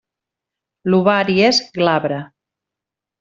L'ovari és glabre.